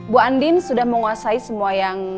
bu andin sudah menguasai semua yang